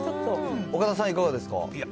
本上さん、いかがですか。